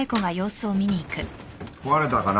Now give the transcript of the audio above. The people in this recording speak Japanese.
壊れたかな？